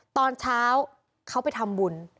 ตอนเช้าเขาไปทำบุญ